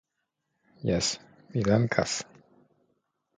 Jes, mi dankas.